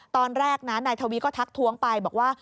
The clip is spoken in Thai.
ตอนแรกนะนายทวีก็ทักท้วงไปบอกว่า